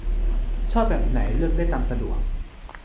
ชอบแบบไหนเลือกได้ตามสะดวก